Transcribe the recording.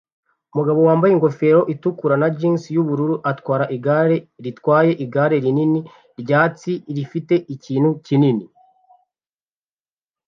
Umugabo wambaye ingofero itukura na jans yubururu atwara igare ritwaye igare rinini ryatsi rifite ikintu kinini imbere